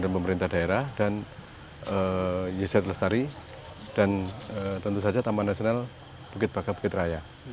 pemerintah daerah dan yuset lestari dan tentu saja taman nasional bukit baga bukit raya